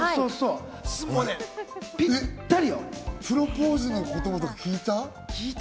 プロポーズの言葉とか聞いた？